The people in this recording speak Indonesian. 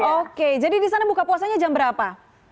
oke jadi di sana buka puasanya jam berapa